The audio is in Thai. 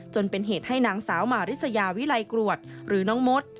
จนเป็นเหตุให้นางสาวมาริสยาวิไลกรวดหรือน้องมด